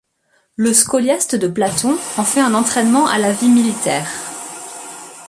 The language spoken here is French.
Le scholiaste de Platon en fait un entraînement à la vie militaire.